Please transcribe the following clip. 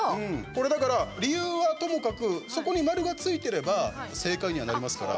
これ、だから理由はともかくそこに丸がついてれば正解になりますから。